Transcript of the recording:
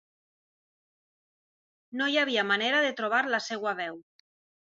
No hi havia manera de trobar la seua veu.